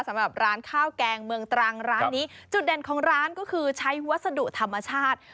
สำหรับร้านข้าวแกงเมืองตรังร้านนี้จุดเด่นของร้านก็คือใช้วัสดุธรรมชาติ